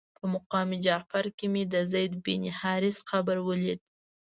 په مقام جعفر کې مې د زید بن حارثه قبر ولید.